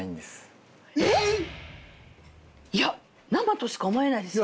いや生としか思えないですよ。